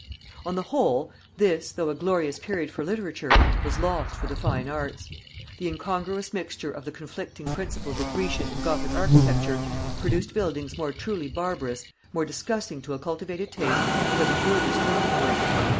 On the whole, this, though a glorious period for literature, was lost for the fine arts. The incongruous mixture of the conflicting principles of Grecian and Gothic architecture produced buildings more truly barbarous, more disgusting to a cultivated taste, than the rudest Norman work.